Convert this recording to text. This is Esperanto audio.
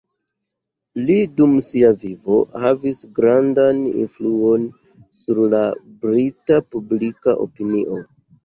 Li dum sia vivo havis grandan influon sur la brita publika opinio.